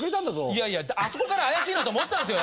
いやいやあそこから怪しいなと思ったんですよ